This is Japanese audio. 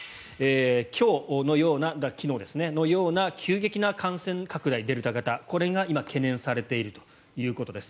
今日のような急激な感染拡大デルタ型、これが今懸念されているということです。